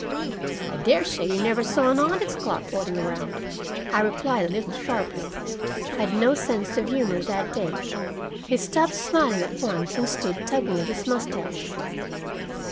"I dare say you never saw an onyx clock floating around," I replied a little sharply. I had no sense of humor that day. He stopped smiling at once, and stood tugging at his mustache.